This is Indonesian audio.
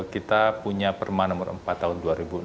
kita punya perma nomor empat tahun dua ribu enam belas